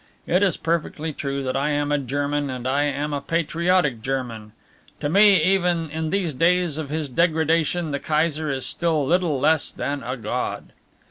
It is perfectly true that I am a German and I am a patriotic German. To me even in these days of his degradation the Kaiser is still little less than a god."